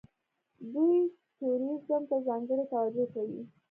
دوی ټوریزم ته ځانګړې توجه کوي.